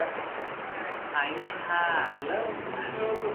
ହାଇରେ -ହା!